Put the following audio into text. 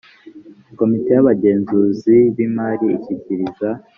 komite y abagenzuzi b imari ishyikiriza